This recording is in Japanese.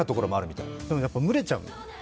やっぱ、蒸れちゃう。